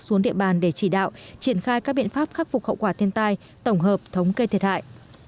xuống địa bàn để chỉ đạo triển khai các biện pháp khắc phục hậu quả thiên tai tổng hợp thống kê thiệt hại